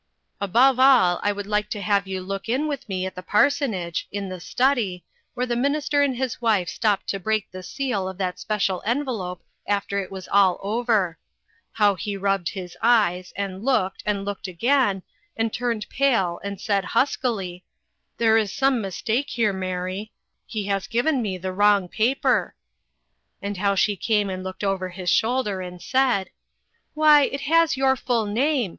Above all, I should like to have you look in with me at the parsonage, in the study, where the minister and his wife stopped to A FAMILY SECRET. 439 break the seal of that special envelope after A it was all over; how he rubbed his eyes, and looked, and looked again, and turned pale, and said, huskily: " There is some mistake here, Mary ; he has given me the wrong paper." And how she came and looked over his shoulder, and said: " Why, it has your full name.